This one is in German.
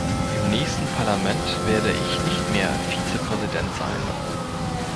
Im nächsten Parlament werde ich nicht mehr Vizepräsident sein.